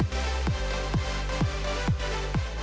โปรดติดตามตอนต่อไป